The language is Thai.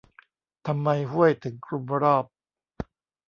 ทำไมห้วยถึงคลุมรอบ ?